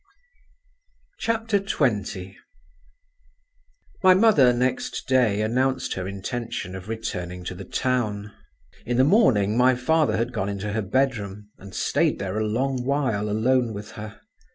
XX My mother next day announced her intention of returning to the town. In the morning my father had gone into her bedroom, and stayed there a long while alone with her.